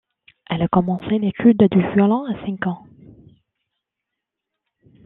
Elle a commencé l'étude du violon à cinq ans.